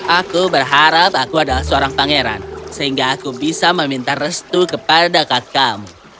aku berharap aku adalah seorang pangeran sehingga aku bisa meminta restu kepada kakakmu